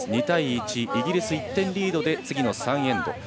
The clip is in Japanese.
２対１、イギリス１点リードで次の３エンド。